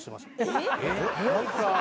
えっ？